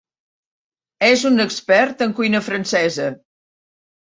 És un expert en cuina francesa.